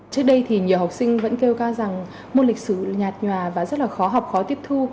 trước đây thì nhiều học sinh vẫn kêu ca rằng môn lịch sử nhạt nhòa và rất là khó học khó tiếp thu